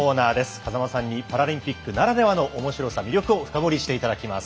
風間さんにパラリンピックならではの面白さ魅力を深掘りしていただきます。